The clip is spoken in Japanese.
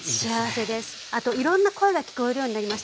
あといろんな声が聞こえるようになりました。